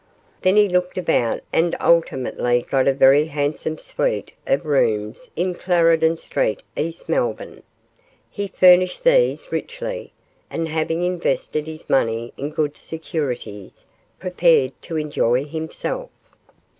Then he looked about and ultimately got a very handsome suite of rooms in Clarendon Street, East Melbourne. He furnished these richly, and having invested his money in good securities, prepared to enjoy himself.